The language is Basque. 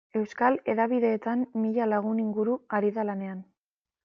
Euskal hedabideetan mila lagun inguru ari da lanean.